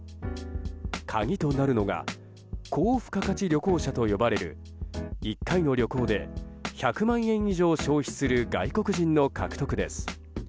鍵となるのが高付加価値旅行者と呼ばれる１回の旅行で１００万円以上消費する外国人の獲得です。